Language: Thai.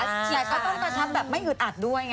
แต่ก็ต้องกระชับแบบไม่อึดอัดด้วยไง